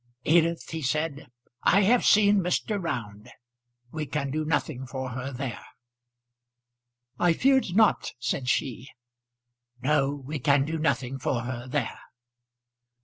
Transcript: "Edith," he said, "I have seen Mr. Round. We can do nothing for her there." "I feared not," said she. "No; we can do nothing for her there."